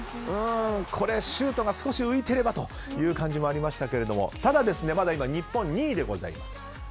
シュートが少し浮いていればというところもありましたがただ今、日本は２位でございます。